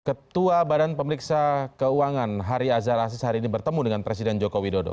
ketua badan pemeriksa keuangan hari azhar aziz hari ini bertemu dengan presiden joko widodo